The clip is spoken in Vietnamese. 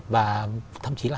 và thậm chí là